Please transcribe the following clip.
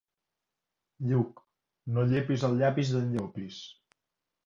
Lluc, no llepis el llapis d'en Llopis.